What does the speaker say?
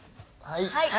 はい。